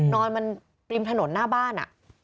นอนมันริมถนนหน้าบ้าน